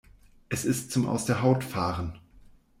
Es ist zum aus der Haut fahren!